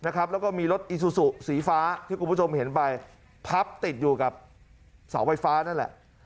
แล้วก็มีรถอีซูซูสีฟ้าที่คุณผู้ชมเห็นไปพับติดอยู่กับเสาไฟฟ้านั่นแหละ